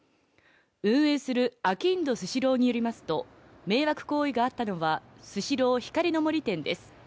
運営するあきんどスシローによりますと、迷惑行為があったのは、スシロー光の森店です。